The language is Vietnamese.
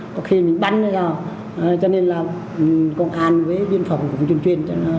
có khi mình bắn nó ra cho nên là công an với biên phòng cũng truyền truyền cho nó